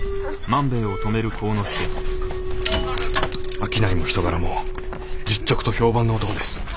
商いも人柄も実直と評判の男です。